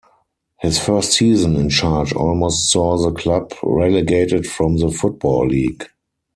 His first season in charge almost saw the club relegated from the Football League.